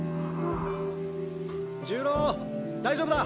重郎大丈夫だ。